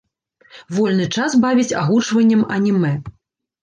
Вольны час бавіць агучваннем анімэ.